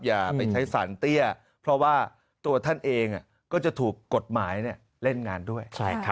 อย่าไปใช้สารเตี้ยเพราะว่าตัวท่านเองก็จะถูกกฎหมายเล่นงานด้วย